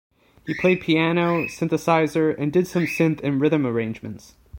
He played piano, synthesizer, and did some synth and rhythm arrangements.